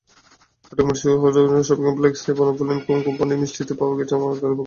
চট্টগ্রামের ষোলশহর শপিং কমপ্লেক্সে বনফুল অ্যান্ড কোম্পানির মিষ্টিতে পাওয়া গেছে মরা তেলাপোকা।